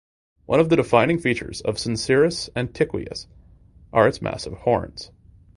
One of the defining features of "Syncerus antiquus" are its massive horns.